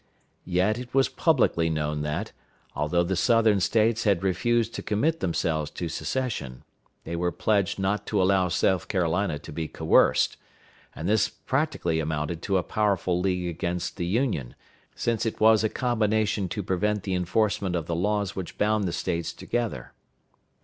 Yet it was publicly known that, although the Southern States had refused to commit themselves to Secession, they were pledged not to allow South Carolina to be coerced, and this practically amounted to a powerful league against the Union, since it was a combination to prevent the enforcement of the laws which bound the States together.